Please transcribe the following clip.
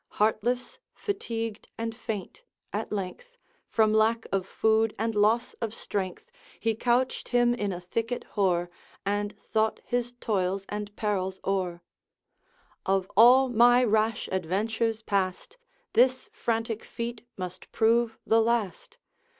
Heartless, fatigued, and faint, at length, From lack of food and loss of strength He couched him in a thicket hoar And thought his toils and perils o'er: 'Of all my rash adventures past, This frantic feat must prove the last!